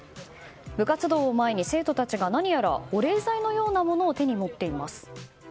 部活動を前に生徒たちが何やら保冷剤のようなものを手に持っています。